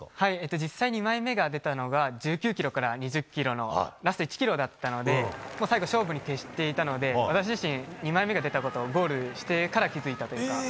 実際２枚目が出たのが１９ｋｍから２０ｋｍのラスト１ｋｍだったので最後勝負に徹していたので２枚目が出たことをゴールしてから気づいたというか。